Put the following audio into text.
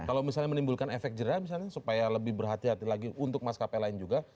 kalau misalnya menimbulkan efek jerah misalnya supaya lebih berhati hati lagi untuk maskapai lain juga